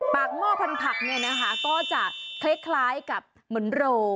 หม้อพันผักเนี่ยนะคะก็จะคล้ายกับเหมือนโร